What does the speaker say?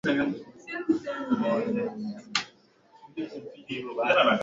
hasa zile dawa za kulevya ungaunga kunywa kwa zile dawa za kulevya majimaji